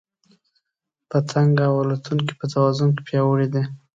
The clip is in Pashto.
پتنګ او الوتونکي په توازن کې پیاوړي دي.